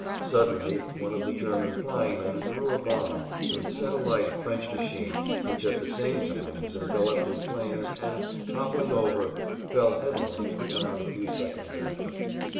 Suddenly one of the German flying men threw a bomb and set alight a French machine which at the same time was enveloped in flames and, toppling over, fell headlong to the ground a few seconds after.